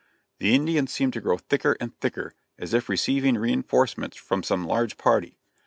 The Indians seemed to grow thicker and thicker, as if receiving reinforcements from some large party.